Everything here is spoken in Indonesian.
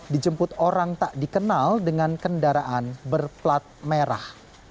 dijemput orang tak dikenal dengan kendaraan berplat merah